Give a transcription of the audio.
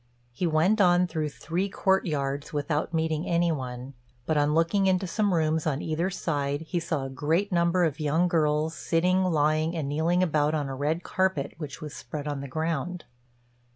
He went on through three court yards without meeting any one; but, on looking into some rooms on either side, he saw a great number of young girls sitting, lying, and kneeling about on a red carpet, which was spread on the ground.